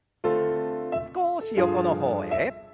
少し横の方へ。